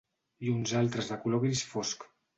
I uns altres de color gris fosc